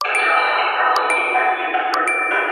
لويې بریاوي یوازي په لیاقت پوري نه سي تړل کېدلای.